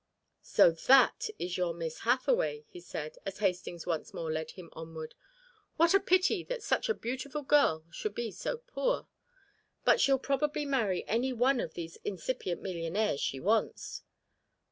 "So that is your Miss Hathaway," he said, as Hastings once more led him onward. "What a pity that such a beautiful girl should be so poor. But she'll probably marry any one of these incipient millionaires she wants."